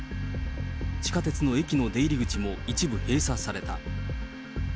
地下鉄の駅の出入り口も一部閉鎖された。